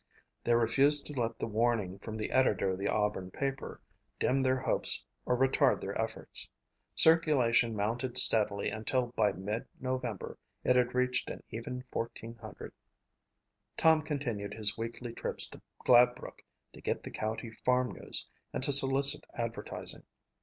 They refused to let the warning from the editor of the Auburn paper dim their hopes or retard their efforts. Circulation mounted steadily until by mid November it had reached an even 1,400. Tom continued his weekly trips to Gladbrook to get the county farm news and to solicit advertising.